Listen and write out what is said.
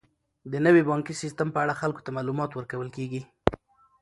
د نوي بانکي سیستم په اړه خلکو ته معلومات ورکول کیږي.